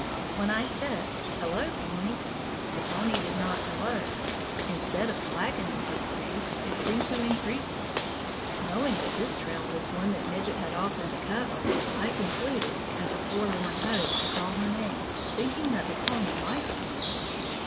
When I said, "Hello, pony," the pony did not hello. Instead of slackening its pace, it seemed to increase it. Knowing that this trail was one that Midget had often to cover, I concluded as a forlorn hope to call her name, thinking that the pony might be Midget.